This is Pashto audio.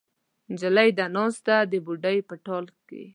نجلۍ ده ناسته د بوډۍ په ټال کې